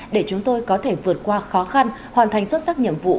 để chúng tôi có thể vượt qua khó khăn hoàn thành xuất sắc nhiệm vụ